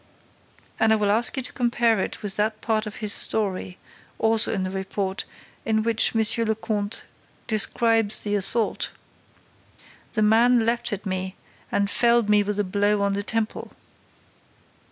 And I will ask you to compare it with that part of his story, also in the report, in which Monsieur le Comte describes the assault: 'The man leaped at me and felled me with a blow on the temple!